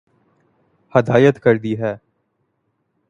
ہدایت کردی ہے